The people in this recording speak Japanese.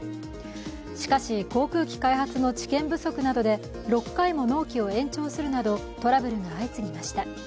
しかし、航空機開発の知見不足などで６回も納期を延長するなどトラブルが相次ぎました。